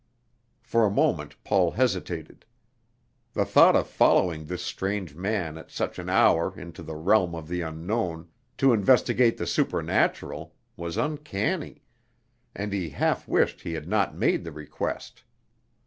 For a moment Paul hesitated. The thought of following this strange man at such an hour into the realm of the unknown, to investigate the supernatural, was uncanny, and he half wished he had not made the request.